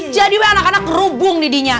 jadi anak anak kerubung didinya